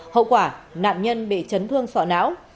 hậu quả nạn nhân bị chấn thương sọ não